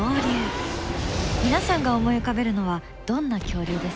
皆さんが思い浮かべるのはどんな恐竜ですか？